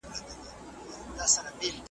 هم یې توري هم توپونه پرېښودله `